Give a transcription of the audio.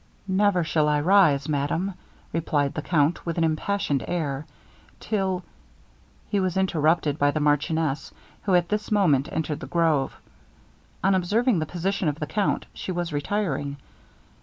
'Never will I rise, madam,' replied the count, with an impassioned air, 'till' He was interrupted by the marchioness, who at this moment entered the grove. On observing the position of the count she was retiring.